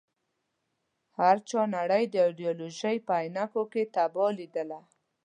هر چا نړۍ د ایډیالوژۍ په عينکو کې تباه ليدله.